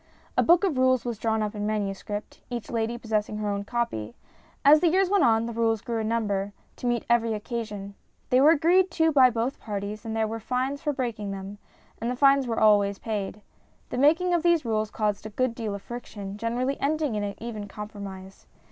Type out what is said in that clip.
A book of rules was drawn up in manuscript, each lady possessing her own copy. As the years went on the rules grew in number, to meet every occasion. They were agreed to by both parties, and there were fines for breaking them, and the fines were always paid. The making of these rules caused a good deal of friction, generally ending in an even compromise.